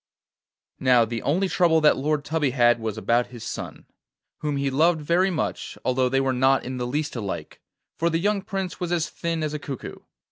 Now, the only trouble that Lord Tubby had was about his son, whom he loved very much, although they were not in the least alike, for the young Prince was as thin as a cuckoo.